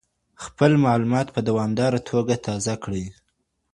خپل معلومات په دوامداره توګه تازه کړئ.